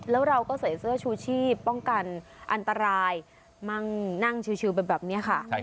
แล้วเราก็ใส่เสื้อชูชีพป้องกันอันตรายมั่งนั่งชิวไปแบบนี้ค่ะ